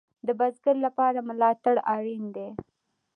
د بزګر لپاره ملاتړ اړین دی